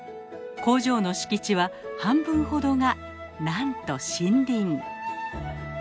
工場の敷地は半分ほどがなんと森林。